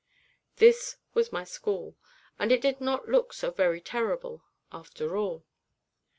This was my school, and it did not look so very terrible after all.